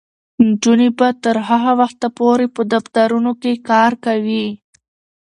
نجونې به تر هغه وخته پورې په دفترونو کې کار کوي.